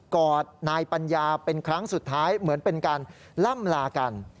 อดนายปัญญาเป็นครั้งสุดท้ายเหมือนเป็นการล่ำลากัน